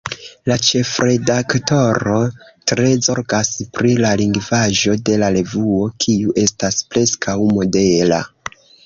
La ĉefredaktoro tre zorgas pri la lingvaĵo de la revuo, kiu estas preskaŭ modela.